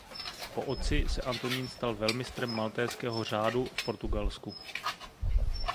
Po otci se Antonín stal velmistrem Maltézského řádu v Portugalsku.